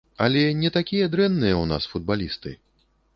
Але не такія дрэнныя ў нас футбалісты.